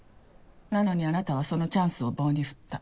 なのにあなたはそのチャンスを棒に振った。